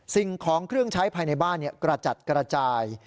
สิ่งของเครื่องใช้ภายในบ้านกระจัดกระจาย